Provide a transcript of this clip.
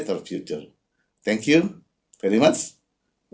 terima kasih banyak banyak